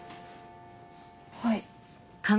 はい。